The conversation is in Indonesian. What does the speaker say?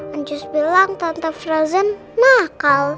anjut bilang tete froidan nakal